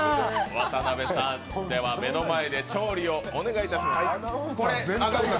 渡邊さん、では目の前で調理をお願いします。